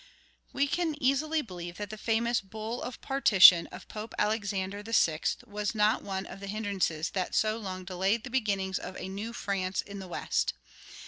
We can easily believe that the famous "Bull of Partition" of Pope Alexander VI. was not one of the hindrances that so long delayed the beginnings of a New France in the West.